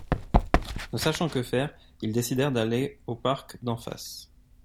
Ne sachant que faire, ils décident d’aller au parc d’en face.